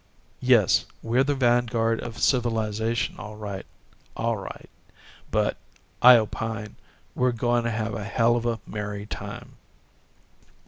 Yes, we're the vanguard of civilization, all right, all right but I opine we're goin' to have a hell of a merry time."